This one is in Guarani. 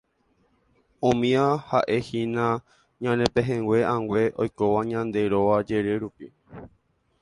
Umíva ha'ehína ñane pehẽngue ãngue oikóva ñande róga jere rupi.